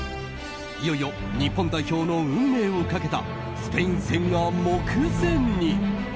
いよいよ日本代表の運命をかけたスペイン戦が目前に。